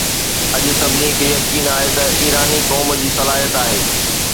اڄ، سڀني کي يقين آهي ته ايراني قوم جي صلاحيت آهي